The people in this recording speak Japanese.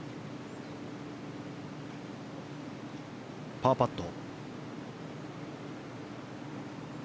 パーパット。